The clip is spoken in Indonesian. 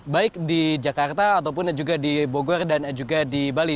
baik di jakarta ataupun juga di bogor dan juga di bali